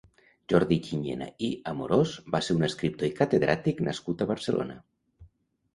Jordi Tiñena i Amorós va ser un escriptor i catedràtic nascut a Barcelona.